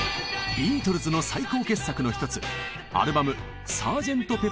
ビートルズの最高傑作の一つ